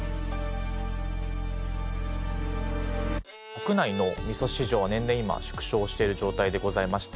国内の味噌市場は年々今縮小してる状態でございまして。